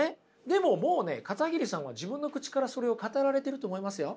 でももうね片桐さんは自分の口からそれを語られてると思いますよ。